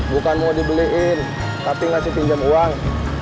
bukan mau dibeliin tapi ngasih pinjam uang